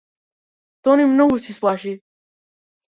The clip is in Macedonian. Тони многу се исплаши.